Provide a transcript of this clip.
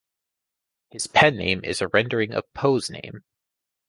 His pen name is a rendering of Poe's name.